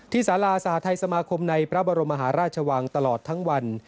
สาราสหทัยสมาคมในพระบรมมหาราชวังตลอดทั้งวัน